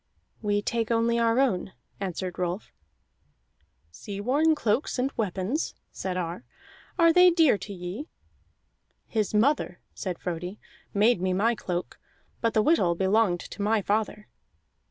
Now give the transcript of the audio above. "We take only our own," answered Rolf. "Sea worn cloaks and weapons," said Ar, "are they dear to ye?" "His mother," said Frodi, "made me my cloak, but the whittle belonged to my father."